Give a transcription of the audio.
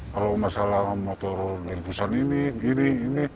kalau masalah motor dan busan ini ini ini